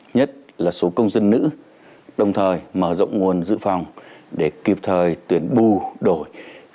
nhất là số công dân nữ đồng thời mở rộng nguồn dự phòng để kịp thời tuyển bù đổi